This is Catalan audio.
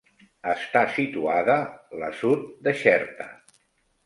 Està situada l'assut de Xerta.